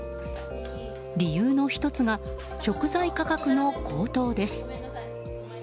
理由の１つが食材価格の高騰です。